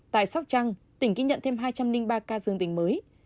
tại sóc trăng tỉnh ghi nhận thêm hai trăm linh ba ca dương tính mới